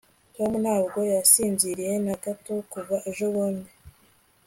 tom ntabwo yasinziriye na gato kuva ejobundi